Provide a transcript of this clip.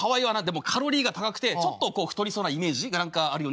でもカロリーが高くてちょっとこう太りそうなイメージが何かあるよね。